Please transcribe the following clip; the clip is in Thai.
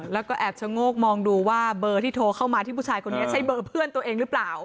แล้วก็แอบชะโงกมองดูว่าเบอร์ที่โทรเข้ามาที่ผู้ชายคนนี้ใช้เบอร์เพื่อนตัวเองหรือเปล่า